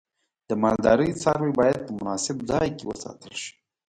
د مالدارۍ څاروی باید په مناسب ځای کې وساتل شي.